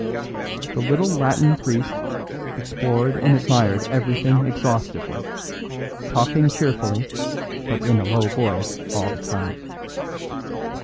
The little Latin priest explored and admired everything exhaustively, talking cheerfully but in a low voice all the time.